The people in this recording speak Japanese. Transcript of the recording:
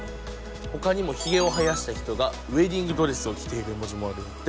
ほかにもひげを生やした人がウエディングドレスを着ている絵文字もあるんやって。